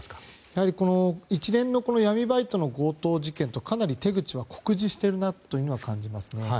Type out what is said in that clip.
やはり一連の闇バイトの強盗事件とかなり手口は酷似しているなと感じますね。